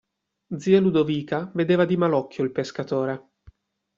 Zia Ludovica vedeva di mal occhio il pescatore.